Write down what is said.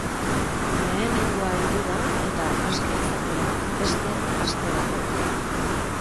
Lehenengoa heldu da, eta aske izango da beste aste baterako.